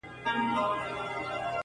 د بُت له ستوني اورمه آذان څه به کوو؟٫